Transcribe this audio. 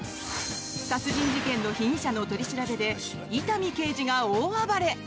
殺人事件の被疑者の取り調べで伊丹刑事が大暴れ！